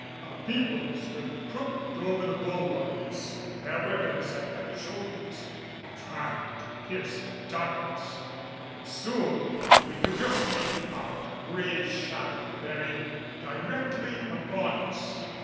Our men stood crooked over the bulwarks, their weapons at their shoulders, trying to pierce the darkness, and soon we could just make out a gray shadow bearing directly upon us.